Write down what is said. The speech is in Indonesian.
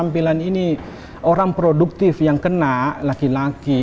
produktif yang kena laki laki